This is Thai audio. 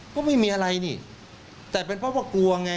ก็ไม่มีอะไรนี่แต่เป็นเพราะว่ากลัวไง